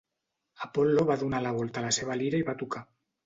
Apol·lo va donar la volta a la seva lira i va tocar.